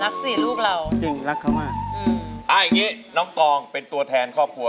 สิลูกเราจริงรักเขามากอืมอ่าอย่างงี้น้องตองเป็นตัวแทนครอบครัว